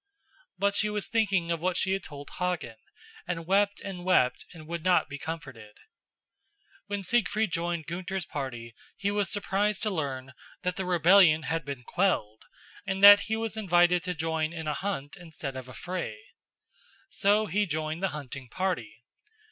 But she was thinking of what she had told Hagen, and wept and wept and would not be comforted. When Siegfried joined Gunther's party he was surprised to learn that the rebellion had been quelled and that he was invited to join in a hunt instead of a fray. So he joined the hunting party.